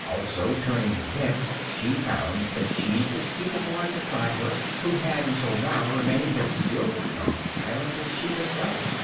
Also, turning her head, she found that she could see the boy beside her, who had until now remained as still and silent as she herself.